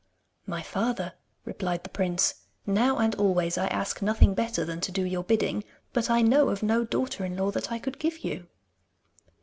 'My father,' replied the prince, 'now and always, I ask nothing better than to do your bidding, but I know of no daughter in law that I could give you.